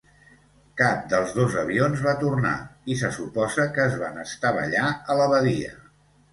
Cap dels dos avions va tornar, i se suposa que es van estavellar a la badia.